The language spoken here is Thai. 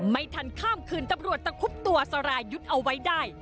ไม่ทันข้ามคืนตำรวจตะคุบตัวสรายุทธ์เอาไว้ได้